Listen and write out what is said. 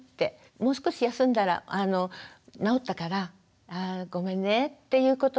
もう少し休んだらなおったからごめんねっていうことをね